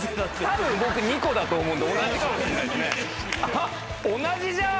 たぶん僕２個だと思うんで同じかもしんないですね。